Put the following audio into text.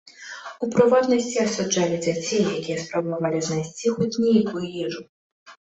У прыватнасці, асуджалі дзяцей, якія спрабавалі знайсці хоць нейкую ежу.